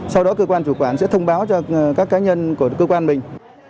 sau đó cơ quan chủ quản sẽ thông báo cho các cá nhân của cơ quan mình